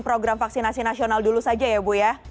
program vaksinasi nasional dulu saja ya bu ya